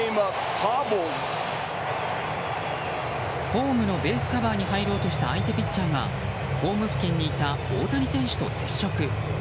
ホームのベースカバーに入ろうとした相手ピッチャーがホーム付近にいた大谷選手と接触。